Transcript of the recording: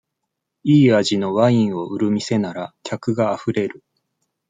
いい味のワインを売る店なら、客があふれる。